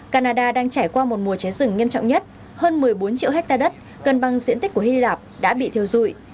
canada đang trải qua một mùa cháy rừng nghiêm trọng nhất hơn một mươi bốn triệu hectare đất gần bằng diện tích của hy lạp đã bị thiêu dụi